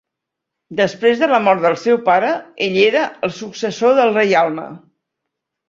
Després de la mort del seu pare, ell era el successor del reialme.